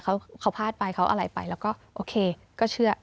เขาพลาดไปเขาอะไรไปแล้วก็โอเคก็เชื่อ